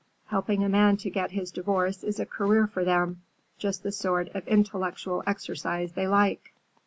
Helping a man to get his divorce is a career for them; just the sort of intellectual exercise they like."